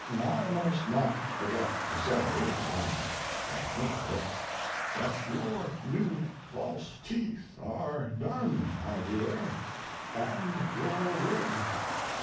I must not forget to say, while I think of it, that your new false teeth are done, my dear, and your wig.